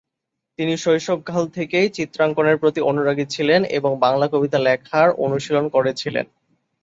তিনি শৈশবকাল থেকেই চিত্রাঙ্কনের প্রতি অনুরাগী ছিলেন এবং বাংলা কবিতা লেখার অনুশীলন করেছিলেন।